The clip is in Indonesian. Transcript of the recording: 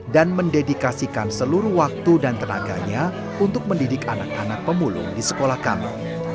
dan mendedikasikan seluruh waktu dan tenaganya untuk mendidik anak anak pemulung di sekolah kami